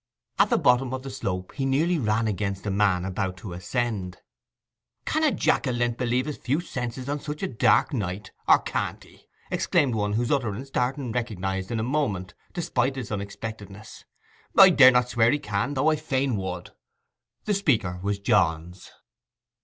At the bottom of the slope he nearly ran against a man about to ascend. 'Can a jack o' lent believe his few senses on such a dark night, or can't he?' exclaimed one whose utterance Darton recognized in a moment, despite its unexpectedness. 'I dare not swear he can, though I fain would!' The speaker was Johns.